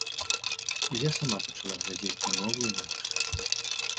Я і сама пачала глядзець на мову інакш.